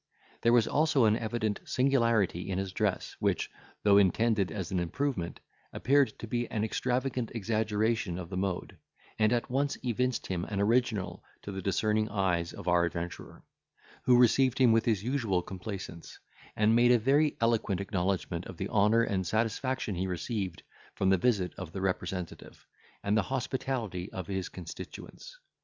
There was also an evident singularity in his dress, which, though intended as an improvement, appeared to be an extravagant exaggeration of the mode, and at once evinced him an original to the discerning eyes of our adventurer, who received him with his usual complaisance, and made a very eloquent acknowledgment of the honour and satisfaction he received from the visit of the representative, and the hospitality of his constituents.